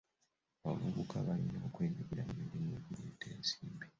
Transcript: Abavubuka balina okwenyigira mu mirimu egireeta ensimbi.